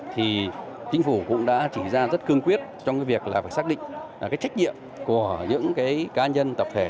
thì chính phủ cũng đã chỉ ra rất cương quyết trong việc xác định trách nhiệm của những cá nhân tập thể